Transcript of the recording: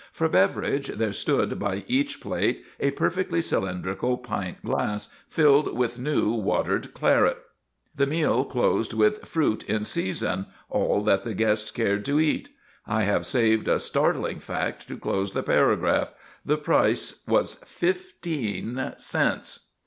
For beverage, there stood by each plate a perfectly cylindrical pint glass filled with new, watered claret. The meal closed with "fruit in season" all that the guest cared to eat. I have saved a startling fact to close the paragraph the price was fifteen cents!